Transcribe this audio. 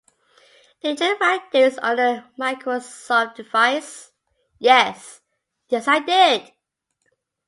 Did you write this on a Microsoft device?